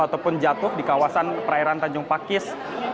ataupun jatuh di kawasan perairan tanjung pakis